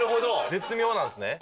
絶妙なんですね。